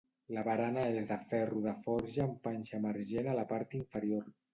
La barana és de ferro de forja amb panxa emergent a la part inferior.